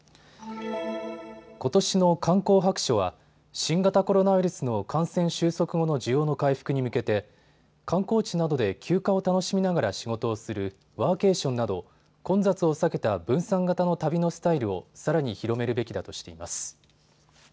ことしの観光白書は新型コロナウイルスの感染収束後の需要の回復に向けて観光地などで休暇を楽しみながら仕事をするワーケーションなど混雑を避けた分散型の旅のスタイルをさらに広めるべきだとしています。